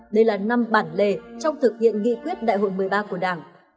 đây là năm bản lề trong thực hiện nghị quyết đại hội một mươi ba của đảng